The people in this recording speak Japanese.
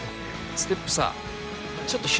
ステップ？